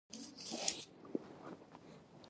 مړه ته د روژې دعا ورکوو